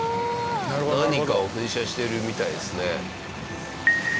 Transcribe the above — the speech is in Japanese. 何かを噴射してるみたいですね。